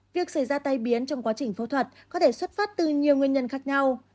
việc xảy ra tai biến trong quá trình phẫu thuật có thể xuất phát từ nhiều nguyên nhân khác nhau